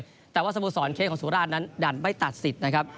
เพราะว่าสะโบสรเคสของสุราชนั้นดันไปตัดสิทธิ์นะครับ